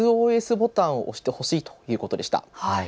ＳＯＳボタンを押してほしいということでした。